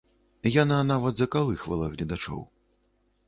Яна нават закалыхвала гледачоў.